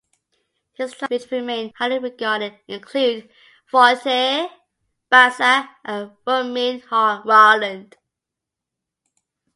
His translations, which remain highly regarded, include Voltaire, Balzac and Romain Rolland.